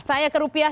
saya ke rupiah